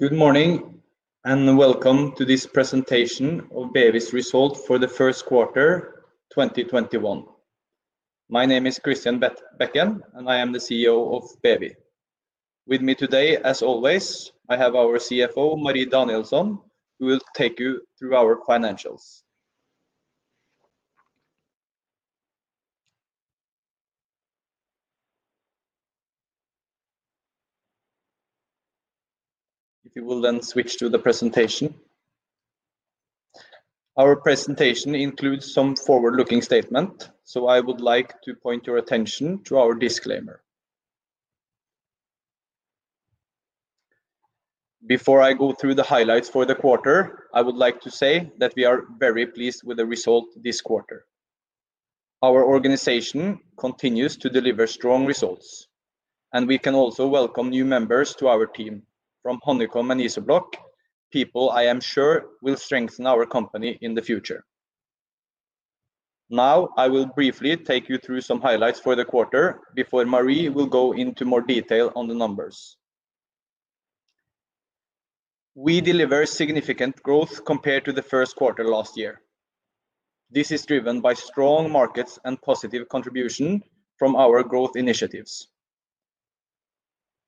Good morning, welcome to this presentation of BEWi's result for the first quarter 2021. My name is Christian Bekken, I am the CEO of BEWi. With me today, as always, I have our CFO, Marie Danielsson, who will take you through our financials. If you will switch to the presentation. Our presentation includes some forward-looking statement, I would like to point your attention to our disclaimer. Before I go through the highlights for the quarter, I would like to say that we are very pleased with the result this quarter. Our organization continues to deliver strong results, we can also welcome new members to our team from Honeycomb and IZOBLOK. People I am sure will strengthen our company in the future. Now, I will briefly take you through some highlights for the quarter before Marie will go into more detail on the numbers. We deliver significant growth compared to the first quarter last year. This is driven by strong markets and positive contribution from our growth initiatives.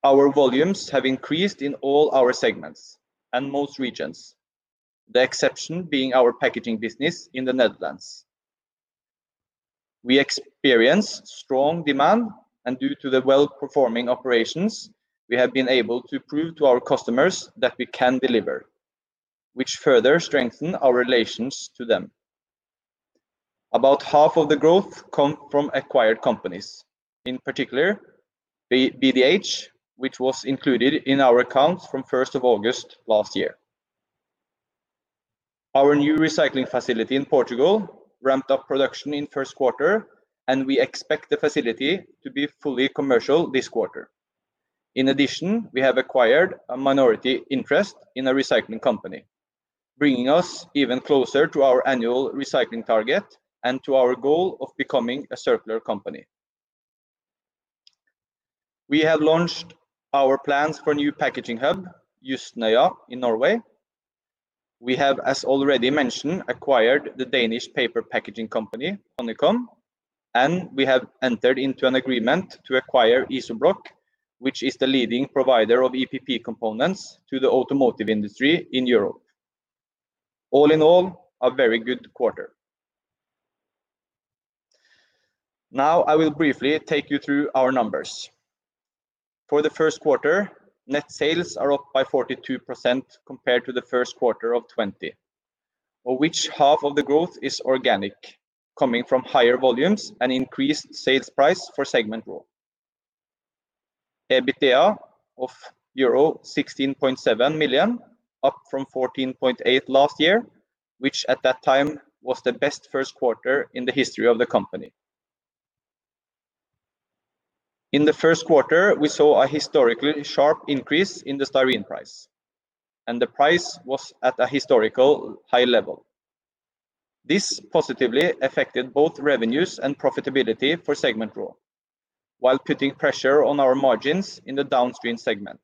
Our volumes have increased in all our segments and most regions. The exception being our packaging business in the Netherlands. We experienced strong demand, and due to the well-performing operations, we have been able to prove to our customers that we can deliver, which further strengthen our relations to them. About half of the growth come from acquired companies, in particular BDH, which was included in our accounts from 1st of August last year. Our new recycling facility in Portugal ramped up production in first quarter, and we expect the facility to be fully commercial this quarter. In addition, we have acquired a minority interest in a recycling company, bringing us even closer to our annual recycling target and to our goal of becoming a circular company. We have launched our plans for a new packaging hub, Jøsnøya in Norway. We have, as already mentioned, acquired the Danish paper packaging company, Honeycomb, and we have entered into an agreement to acquire IZOBLOK, which is the leading provider of EPP components to the automotive industry in Europe. All in all, a very good quarter. Now, I will briefly take you through our numbers. For the first quarter, net sales are up by 42% compared to the first quarter of 2020, of which half of the growth is organic, coming from higher volumes and increased sales price for segment RAW. EBITDA of euro 16.7 million, up from 14.8 million last year, which at that time was the best first quarter in the history of the company. In the first quarter, we saw a historically sharp increase in the styrene price, and the price was at a historical high level. This positively affected both revenues and profitability for segment RAW, while putting pressure on our margins in the downstream segment,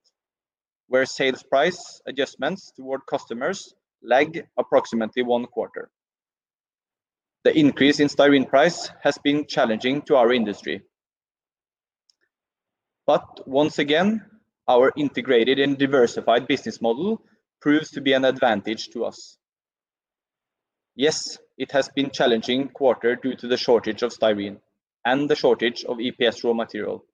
where sales price adjustments toward customers lag approximately one quarter. The increase in styrene price has been challenging to our industry. Once again, our integrated and diversified business model proves to be an advantage to us. Yes, it has been challenging quarter due to the shortage of styrene and the shortage of EPS raw material.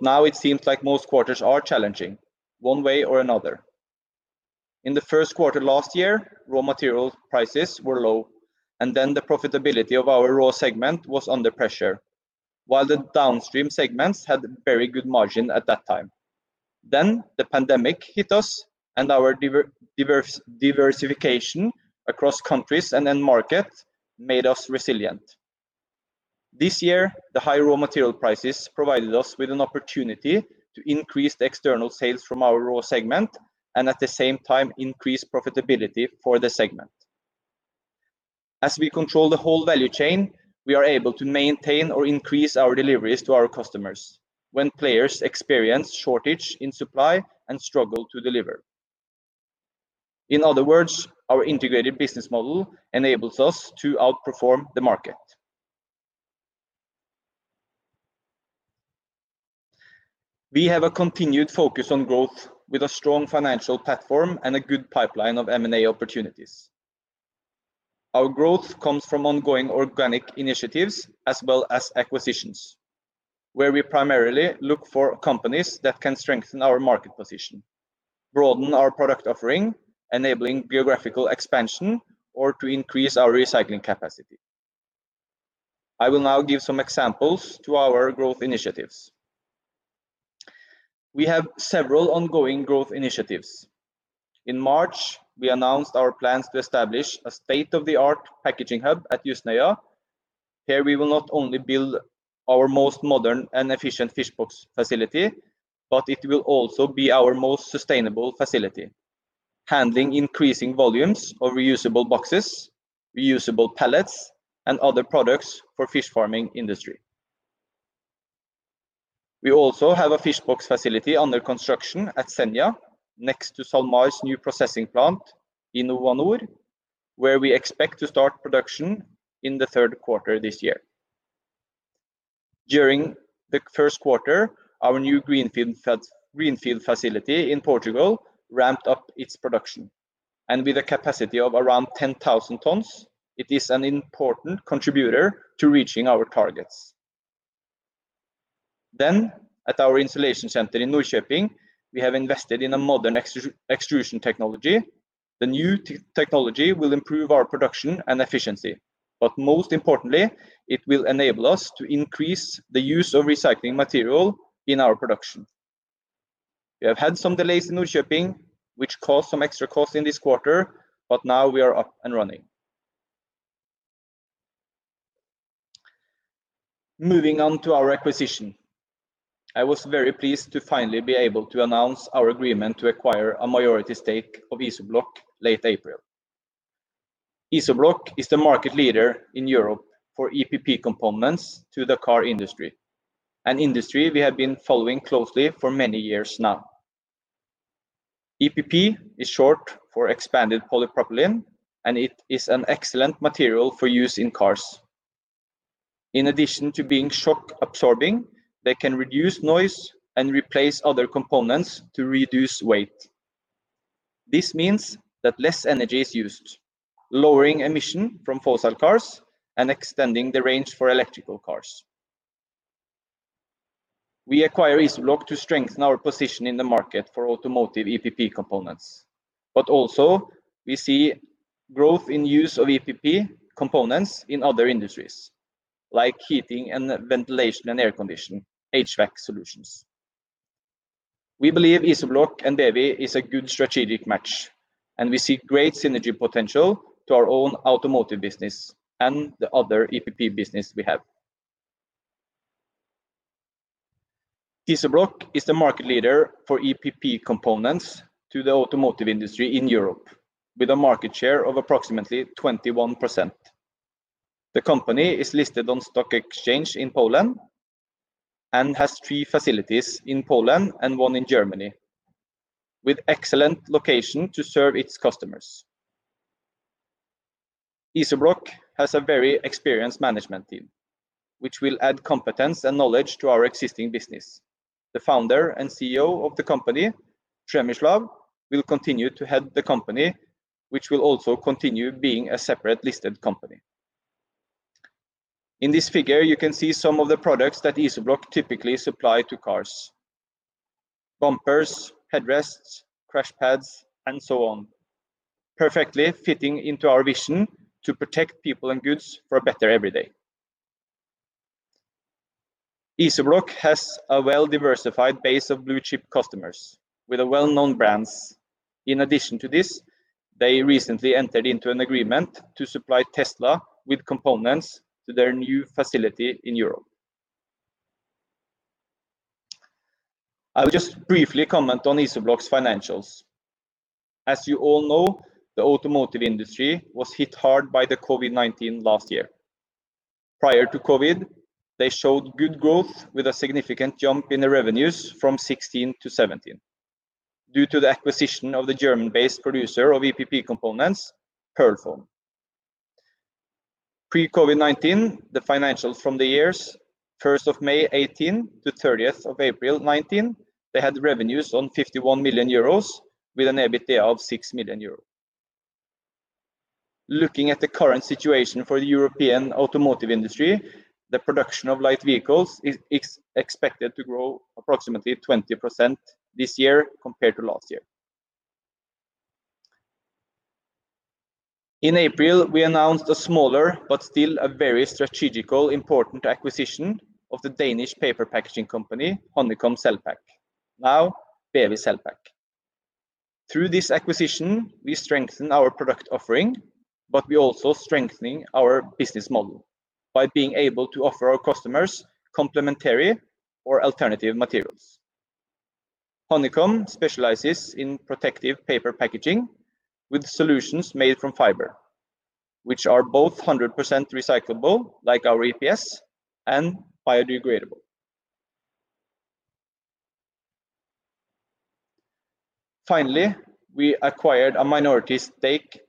Now it seems like most quarters are challenging, one way or another. In the first quarter last year, raw material prices were low, and then the profitability of our RAW segment was under pressure, while the downstream segments had very good margin at that time. The pandemic hit us and our diversification across countries and end market made us resilient. This year, the high raw material prices provided us with an opportunity to increase the external sales from our RAW segment, and at the same time increase profitability for the segment. As we control the whole value chain, we are able to maintain or increase our deliveries to our customers when players experience shortage in supply and struggle to deliver. In other words, our integrated business model enables us to outperform the market. We have a continued focus on growth with a strong financial platform and a good pipeline of M&A opportunities. Our growth comes from ongoing organic initiatives as well as acquisitions, where we primarily look for companies that can strengthen our market position, broaden our product offering, enabling geographical expansion, or to increase our recycling capacity. I will now give some examples to our growth initiatives. We have several ongoing growth initiatives. In March, we announced our plans to establish a state-of-the-art packaging hub at Jøsnøya. Here we will not only build our most modern and efficient fish box facility, but it will also be our most sustainable facility, handling increasing volumes of reusable boxes, reusable pallets, and other products for fish farming industry. We also have a fish box facility under construction at Senja next to SalMar's new processing plant in northern Norway, where we expect to start production in the third quarter of this year. During the first quarter, our new greenfield facility in Portugal ramped up its production and with a capacity of around 10,000 tons, it is an important contributor to reaching our targets. At our installation center in Norrköping, we have invested in a modern extrusion technology. The new technology will improve our production and efficiency, but most importantly, it will enable us to increase the use of recycling material in our production. We have had some delays in Norrköping which caused some extra costs in this quarter, but now we are up and running. Moving on to our acquisition. I was very pleased to finally be able to announce our agreement to acquire a majority stake of IZOBLOK late April. IZOBLOK is the market leader in Europe for EPP components to the car industry, an industry we have been following closely for many years now. EPP is short for expanded polypropylene. It is an excellent material for use in cars. In addition to being shock-absorbing, they can reduce noise and replace other components to reduce weight. This means that less energy is used, lowering emissions from fossil cars and extending the range for electric cars. We acquire IZOBLOK to strengthen our position in the market for automotive EPP components. Also, we see growth in use of EPP components in other industries like heating, ventilation, and air conditioning, HVAC solutions. We believe IZOBLOK and BEWi are a good strategic match, and we see great synergy potential to our own automotive business and the other EPP business we have. IZOBLOK is the market leader for EPP components to the automotive industry in Europe with a market share of approximately 21%. The company is listed on stock exchange in Poland and has three facilities in Poland and one in Germany with excellent location to serve its customers. IZOBLOK has a very experienced management team which will add competence and knowledge to our existing business. The founder and CEO of the company, Przemyslaw, will continue to head the company, which will also continue being a separate listed company. In this figure, you can see some of the products that IZOBLOK typically supply to cars, bumpers, headrests, crash pads and so on, perfectly fitting into our vision to protect people and goods for a better everyday. IZOBLOK has a well-diversified base of blue-chip customers with well-known brands. In addition to this, they recently entered into an agreement to supply Tesla with components to their new facility in Europe. I'll just briefly comment on IZOBLOK's financials. As you all know, the automotive industry was hit hard by the COVID-19 last year. Prior to COVID, they showed good growth with a significant jump in their revenues from 2016 to 2017 due to the acquisition of the German-based producer of EPP components, SSW PearlFoam GmbH. Pre-COVID-19, the financials from the years May 1, 2018 to April 30, 2019, they had revenues on 51 million euros with an EBITDA of 6 million euros. Looking at the current situation for European automotive industry, the production of light vehicles is expected to grow approximately 20% this year compared to last year. In April, we announced a smaller but still a very strategically important acquisition of the Danish paper packaging company, Honeycomb Cellpack, now BEWi Cellpack. Through this acquisition, we strengthen our product offering, but we're also strengthening our business model by being able to offer our customers complementary or alternative materials. Honeycomb specializes in protective paper packaging with solutions made from fiber, which are both 100% recyclable like our EPS and biodegradable. Finally, we acquired a minority stake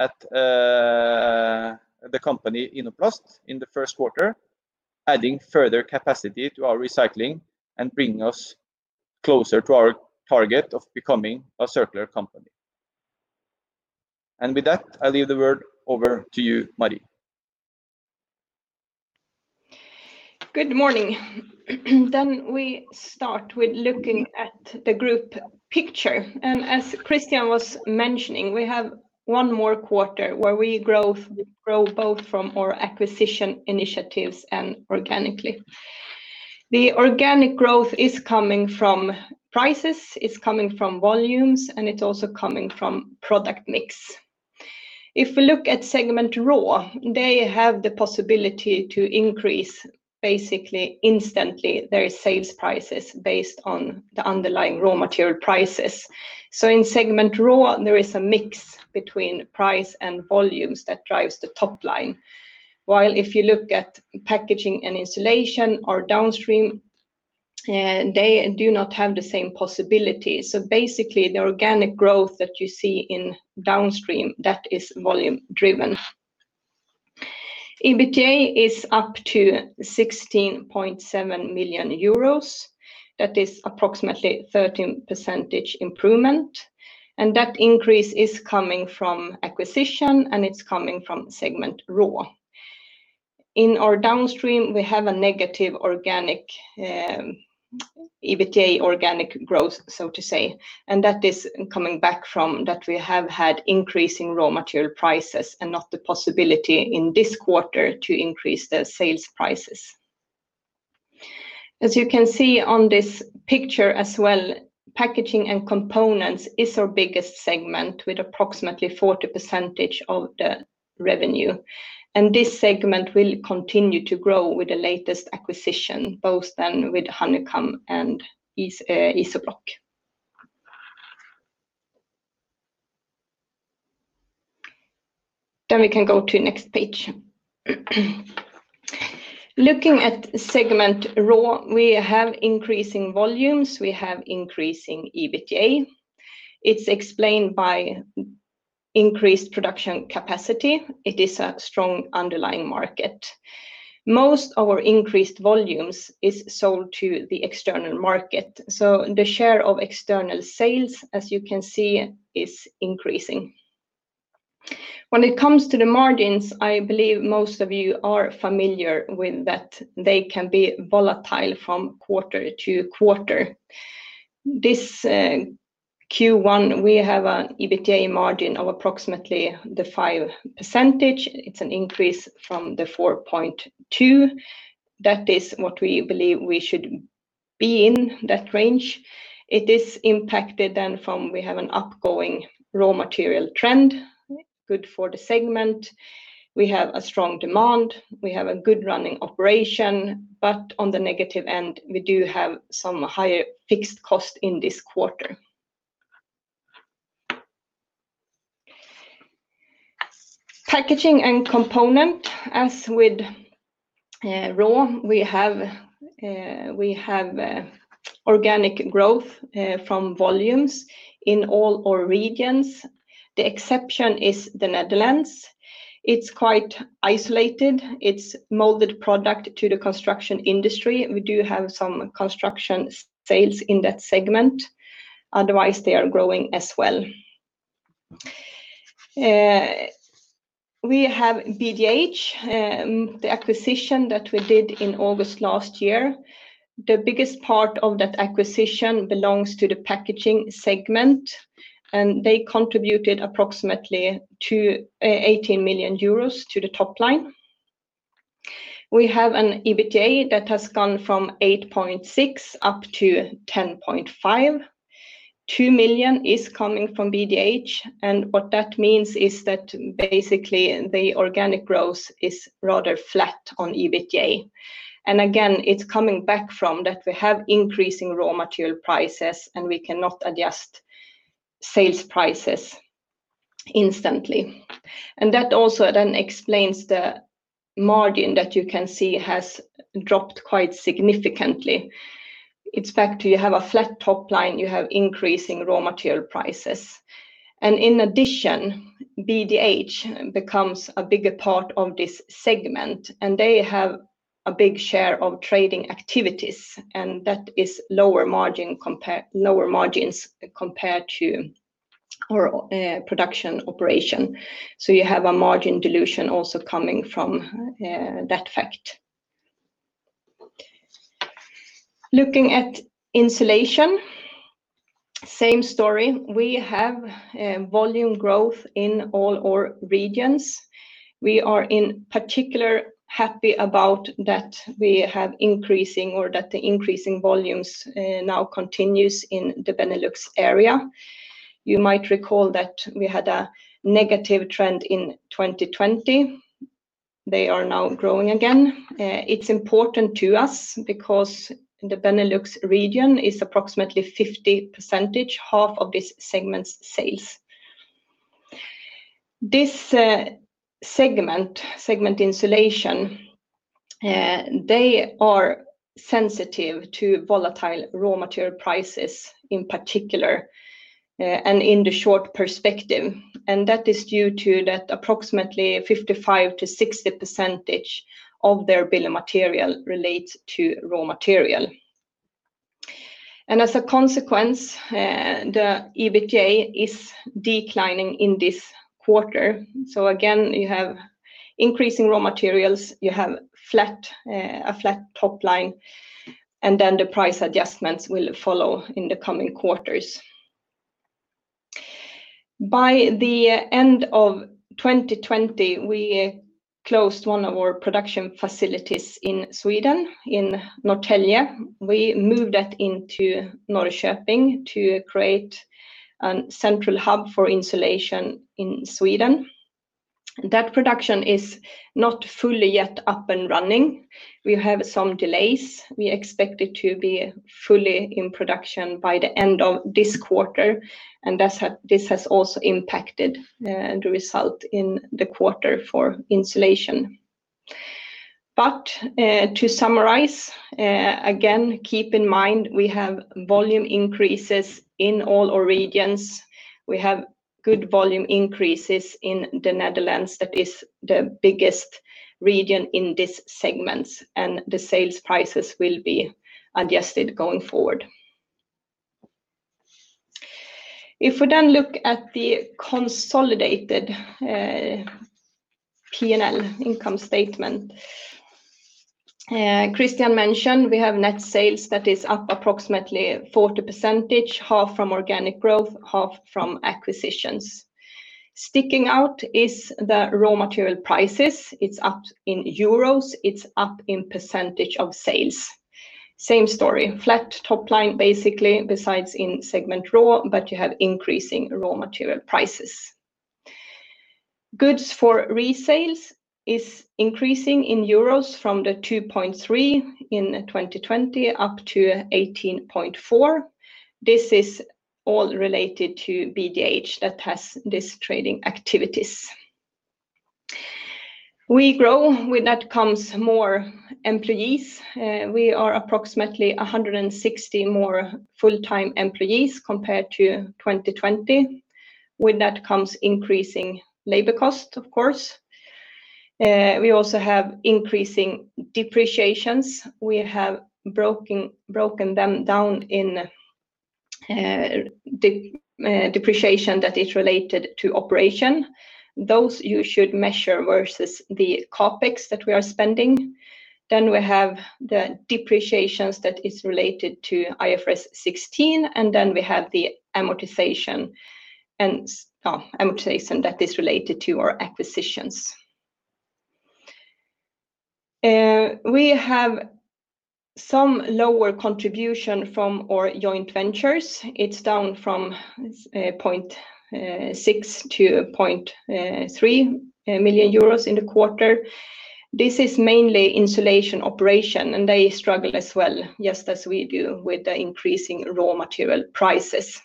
at the company Inoplast in the first quarter, adding further capacity to our recycling and bringing us closer to our target of becoming a circular company. With that, I'll leave the word over to you, Marie. Good morning. We start with looking at the group picture. As Christian was mentioning, we have one more quarter where we grow both from our acquisition initiatives and organically. The organic growth is coming from prices, it's coming from volumes, and it's also coming from product mix. If we look at segment RAW, they have the possibility to increase basically instantly their sales prices based on the underlying raw material prices. In segment RAW, there is a mix between price and volumes that drives the top line. While if you look at Insulation and Packaging & Components or downstream, they do not have the same possibilities. Basically, the organic growth that you see in downstream, that is volume driven. EBITDA is up to 16.7 million euros. That is approximately 13% improvement. That increase is coming from acquisition, and it's coming from segment RAW. In our downstream, we have a negative organic EBITDA, organic growth. That is coming back from that we have had increasing raw material prices and not the possibility in this quarter to increase the sales prices. As you can see on this picture as well, Packaging & Components is our biggest segment with approximately 40% of the revenue. This segment will continue to grow with the latest acquisition, both then with Honeycomb and IZOBLOK. We can go to next page. Looking at segment RAW, we have increasing volumes. We have increasing EBITDA. It's explained by increased production capacity. It is a strong underlying market. Most our increased volumes is sold to the external market. The share of external sales, as you can see, is increasing. When it comes to the margins, I believe most of you are familiar with that they can be volatile from quarter-to-quarter. This Q1, we have an EBITDA margin of approximately 5%. It's an increase from 4.2%. That is what we believe we should be in that range. It is impacted then from we have an upgoing raw material trend, good for the segment. We have a strong demand. We have a good running operation, but on the negative end, we do have some higher fixed cost in this quarter. Packaging & Component, as with RAW, we have organic growth from volumes in all our regions. The exception is the Netherlands. It's quite isolated. It's molded product to the construction industry. We do have some construction sales in that segment. Otherwise, they are growing as well. We have BDH, the acquisition that we did in August last year. The biggest part of that acquisition belongs to the Packaging segment, and they contributed approximately to 18 million euros to the top line. We have an EBITDA that has gone from 8.6 million up to 10.5 million. 2 million is coming from BDH, and what that means is that basically, the organic growth is rather flat on EBITDA. Again, it's coming back from that we have increasing raw material prices, and we cannot adjust sales prices instantly. That also then explains the margin that you can see has dropped quite significantly. It's back to you have a flat top line, you have increasing raw material prices. In addition, BDH becomes a bigger part of this segment, and they have a big share of trading activities, and that is lower margins compared to our production operation. You have a margin dilution also coming from that fact. Looking at Insulation, same story. We have volume growth in all our regions. We are in particular happy about that the increasing volumes now continues in the Benelux area. You might recall that we had a negative trend in 2020. They are now growing again. It's important to us because the Benelux region is approximately 50%, half of this segment's sales. This segment Insulation, they are sensitive to volatile raw material prices in particular and in the short perspective. That is due to that approximately 55%-60% of their bill of material relates to raw material. As a consequence, the EBITDA is declining in this quarter. Again, you have increasing raw materials, you have a flat top line, the price adjustments will follow in the coming quarters. By the end of 2020, we closed one of our production facilities in Sweden in Norrtälje. We moved that into Norrköping to create a central hub for insulation in Sweden. That production is not fully yet up and running. We have some delays. We expect it to be fully in production by the end of this quarter, and this has also impacted the result in the quarter for Insulation. To summarize, again, keep in mind we have volume increases in all our regions. We have good volume increases in the Netherlands. That is the biggest region in this segment, and the sales prices will be adjusted going forward. If we look at the consolidated P&L income statement, Christian mentioned we have net sales that is up approximately 40%, half from organic growth, half from acquisitions. Sticking out is the raw material prices. It's up in EUR, it's up in percentage of sales. Same story, flat top line, basically, besides in segment RAW. You have increasing raw material prices. Goods for resales is increasing in EUR from the 2.3 in 2020 up to uncertain. This is all related to BDH that has these trading activities. We grow. With that comes more employees. We are approximately 160 more full-time employees compared to 2020. With that comes increasing labor cost, of course. We also have increasing depreciations. We have broken them down in depreciation that is related to operation. Those you should measure versus the CapEx that we are spending. We have the depreciations that is related to IFRS 16, we have the amortization that is related to our acquisitions. We have some lower contribution from our joint ventures. It's down from 0.6-0.3 million euros in the quarter. This is mainly insulation operation, they struggle as well, just as we do with the increasing raw material prices,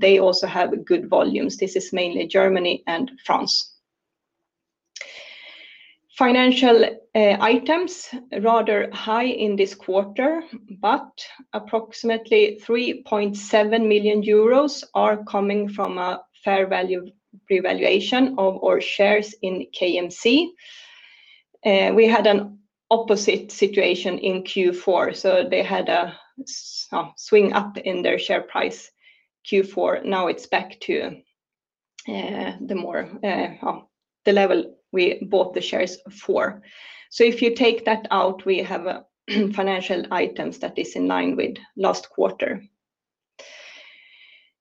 they also have good volumes. This is mainly Germany and France. Financial items, rather high in this quarter, approximately 3.7 million euros are coming from a fair value revaluation of our shares in KMC. We had an opposite situation in Q4, they had a swing up in their share price Q4. Now it's back to the level we bought the shares for. If you take that out, we have financial items that is in line with last quarter.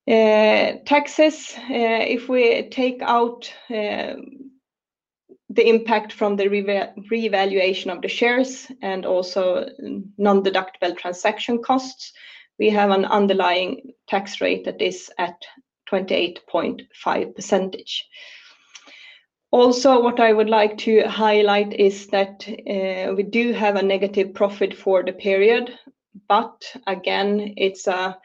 Taxes, if we take out the impact from the revaluation of the shares and also non-deductible transaction costs, we have an underlying tax rate that is at 28.5%. What I would like to highlight is that we do have a negative profit for the period, but again, it's a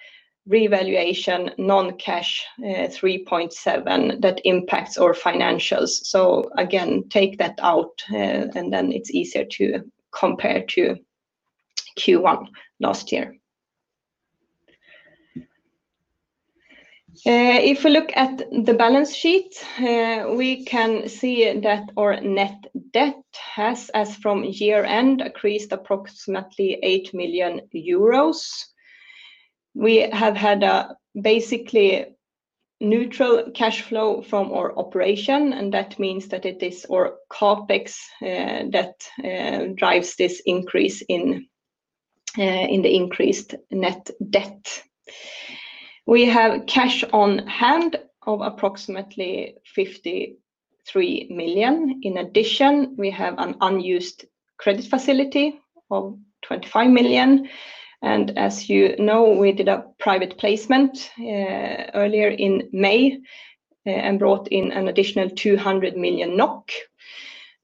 revaluation non-cash EU 3.7 million that impacts our financials. Again, take that out, and then it's easier to compare to Q1 last year. If you look at the balance sheet, we can see that our net debt has, as from year-end, increased approximately 8 million euros. We have had a basically neutral cash flow from our operation, and that means that it is our CapEx that drives this increase in the increased net debt. We have cash on hand of approximately 53 million. In addition, we have an unused credit facility of 25 million, as you know, we did a private placement earlier in May and brought in an additional 200 million NOK.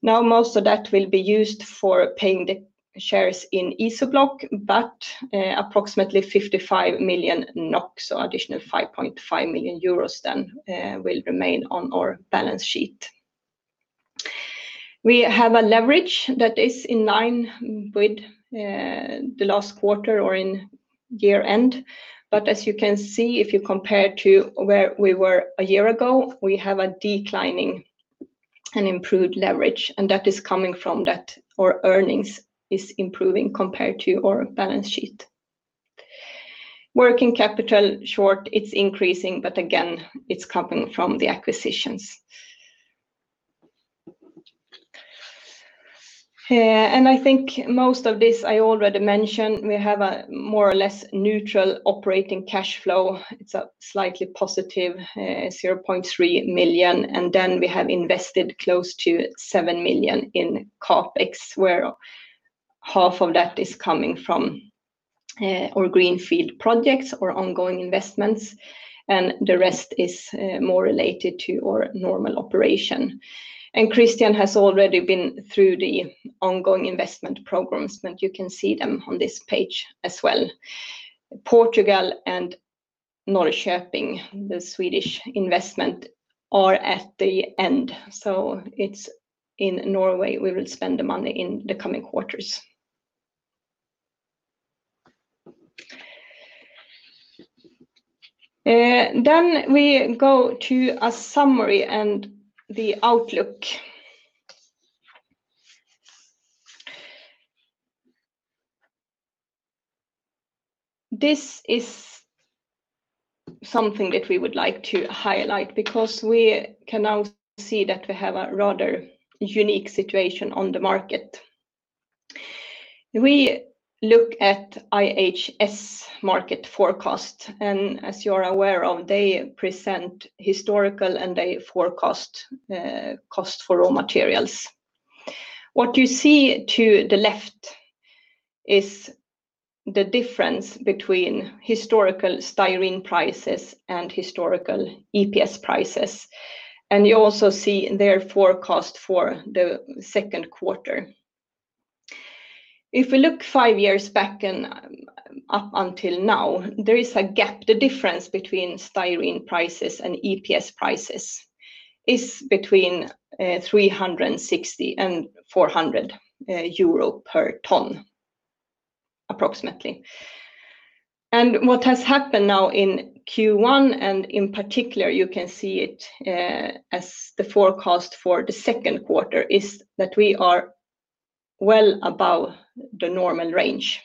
Most of that will be used for paying the shares in IZOBLOK, but approximately 55 million NOK, so additional 5.5 million euros then will remain on our balance sheet. We have a leverage that is in line with the last quarter or in year-end. As you can see, if you compare to where we were a year ago, we have a declining and improved leverage, and that is coming from that our earnings is improving compared to our balance sheet. Working capital, short, it's increasing, but again, it's coming from the acquisitions. I think most of this I already mentioned, we have a more or less neutral operating cash flow. It's a slightly positive 0.3 million. We have invested close to 7 million in CapEx, where half of that is coming from our greenfield projects or ongoing investments, the rest is more related to our normal operation. Christian has already been through the ongoing investment programs. You can see them on this page as well. Portugal and Norrköping, the Swedish investment, are at the end. It's in Norway we will spend the money in the coming quarters. We go to a summary and the outlook. This is something that we would like to highlight because we can now see that we have a rather unique situation on the market. We look at IHS Markit forecast. As you are aware, they present historical and they forecast cost for raw materials. What you see to the left is the difference between historical styrene prices and historical EPS prices. You also see their forecast for the second quarter. If we look five years back and up until now, there is a gap. The difference between styrene prices and EPS prices is between 360 and 400 euro per ton, approximately. What has happened now in Q1, and in particular, you can see it as the forecast for the second quarter, is that we are well above the normal range.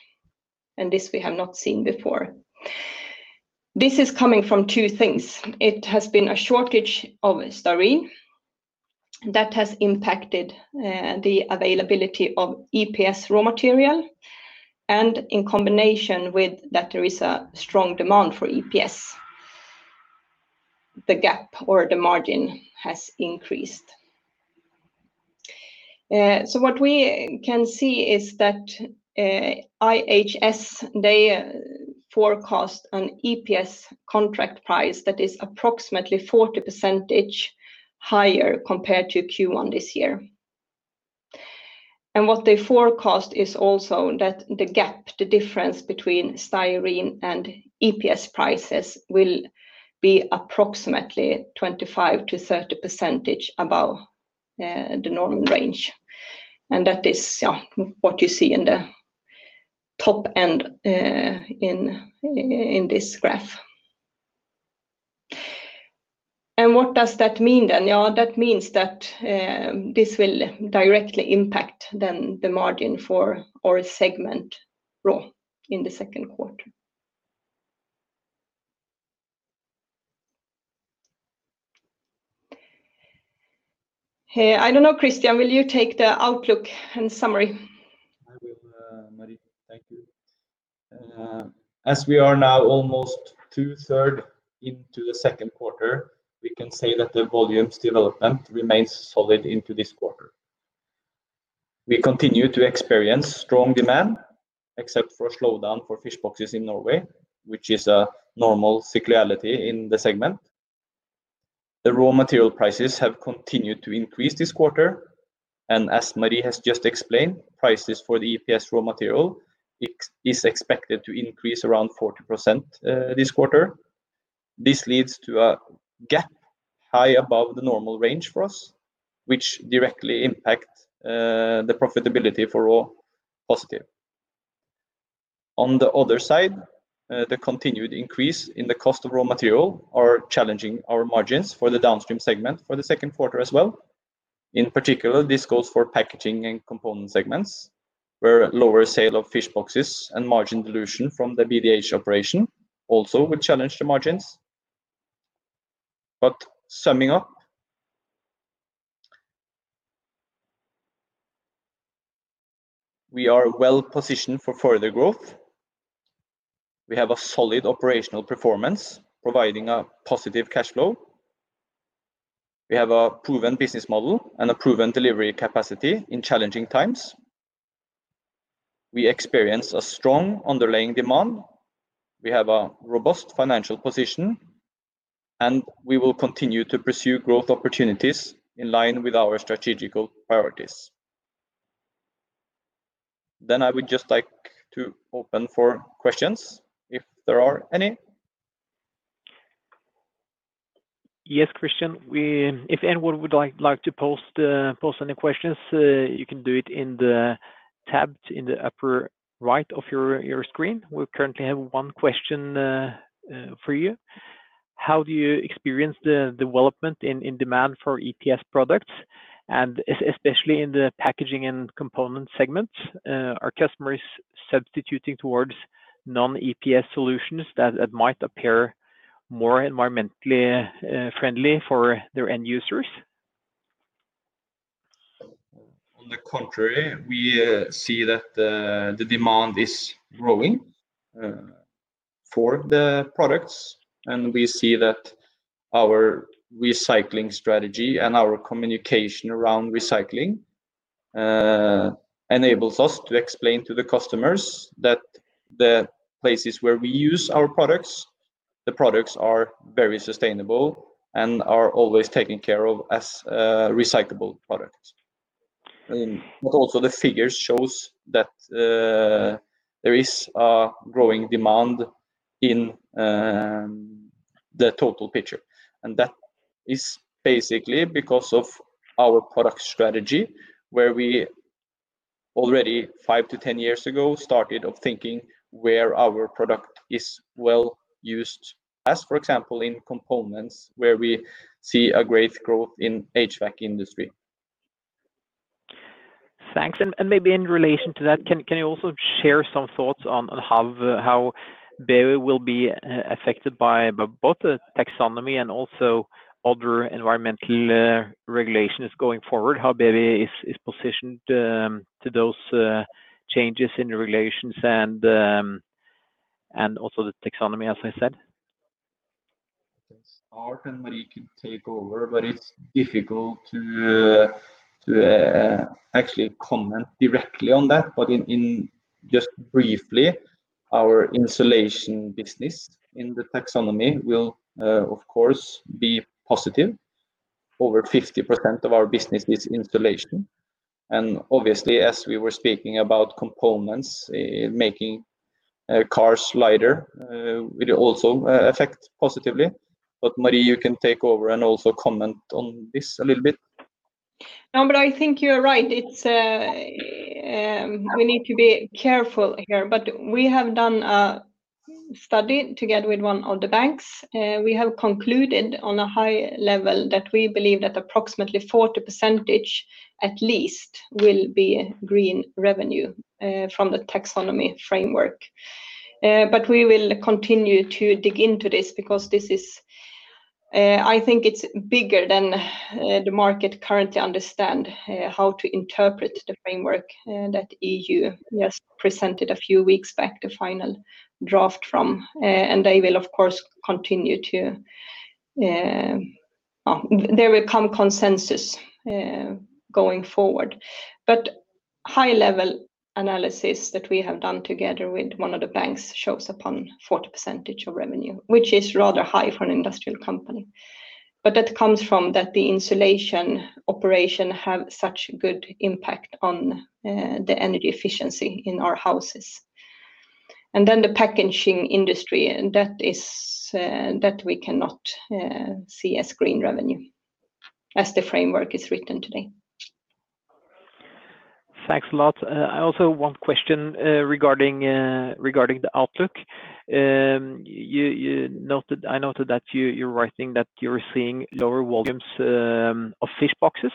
This we have not seen before. This is coming from two things. It has been a shortage of styrene that has impacted the availability of EPS raw material. In combination with that, there is a strong demand for EPS. The gap or the margin has increased. What we can see is that IHS, they forecast an EPS contract price that is approximately 40% higher compared to Q1 this year. What they forecast is also that the gap, the difference between styrene and EPS prices, will be approximately 25%-30% above the normal range. That is what you see in the top end in this graph. What does that mean? That means that this will directly impact the margin for our segment RAW in the second quarter. I don't know, Christian, will you take the outlook and summary? I will, Marie. Thank you. As we are now almost two third into the second quarter, we can say that the volumes development remains solid into this quarter. We continue to experience strong demand except for slowdown for fish boxes in Norway, which is a normal seasonality in the segment. The raw material prices have continued to increase this quarter. As Marie has just explained, prices for the EPS raw material is expected to increase around 40% this quarter. This leads to a gap high above the normal range for us, which directly impacts the profitability for RAW positive. On the other side, the continued increase in the cost of raw material are challenging our margins for the downstream segment for the second quarter as well. In particular, this goes for packaging and component segments, where lower sale of fish boxes and margin dilution from the BDH operation also will challenge the margins. Summing up, we are well-positioned for further growth. We have a solid operational performance providing a positive cash flow. We have a proven business model and a proven delivery capacity in challenging times. We experience a strong underlying demand. We have a robust financial position, and we will continue to pursue growth opportunities in line with our strategic priorities. I would just like to open for questions if there are any. Yes, Christian. If anyone would like to pose any questions, you can do it in the tab in the upper right of your screen. We currently have one question for you. How do you experience the development in demand for EPS products, and especially in the packaging and component segments? Are customers substituting towards non-EPS solutions that might appear more environmentally friendly for their end users? On the contrary, we see that the demand is growing for the products, and we see that our recycling strategy and our communication around recycling enables us to explain to the customers that the places where we use our products, the products are very sustainable and are always taken care of as recyclable products. Also the figures shows that there is a growing demand in the total picture. That is basically because of our product strategy, where we already five to 10 years ago started thinking where our product is well used. As for example, in components where we see a great growth in HVAC industry. Thanks. Maybe in relation to that, can you also share some thoughts on how BEWi will be affected by both the EU Taxonomy and also other environmental regulations going forward? How BEWi is positioned to those changes in the regulations and also the EU Taxonomy, as I said. I can start and Marie can take over, but it's difficult to actually comment directly on that. Just briefly, our insulation business in the EU Taxonomy will, of course, be positive. Over 50% of our business is insulation, and obviously, as we were speaking about components, making cars lighter will also affect positively. Marie, you can take over and also comment on this a little bit. No, I think you're right. We need to be careful here. We have done a study together with one of the banks. We have concluded on a high level that we believe that approximately 40% at least will be green revenue from the EU Taxonomy framework. We will continue to dig into this because I think it's bigger than the market currently understand how to interpret the framework that EU just presented a few weeks back, the final draft from. There will come consensus going forward. High level analysis that we have done together with one of the banks shows upon 40% of revenue, which is rather high for an industrial company. That comes from that the insulation operation have such good impact on the energy efficiency in our houses. The packaging industry, that we cannot see as green revenue, as the framework is written today. Thanks a lot. I also have one question regarding the outlook. I noted that you're writing that you're seeing lower volumes of fish boxes.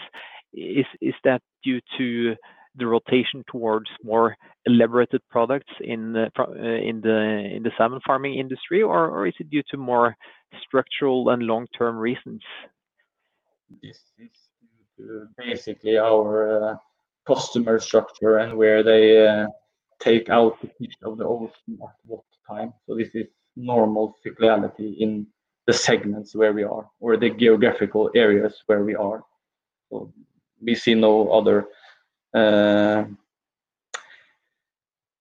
Is that due to the rotation towards more elaborated products in the salmon farming industry, or is it due to more structural and long-term reasons? This is due to basically our customer structure and where they take out the fish over what time. This is normal seasonality in the segments where we are or the geographical areas where we are. We see no other,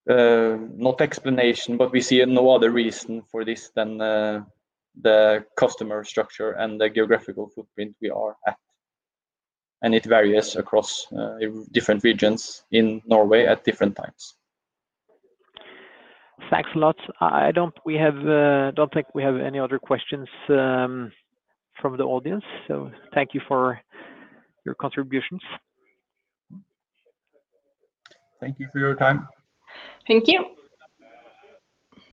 not explanation, but we see no other reason for this than the customer structure and the geographical footprint we are at. It varies across different regions in Norway at different times. Thanks a lot. I don't think we have any other questions from the audience, so thank you for your contributions. Thank you for your time. Thank you.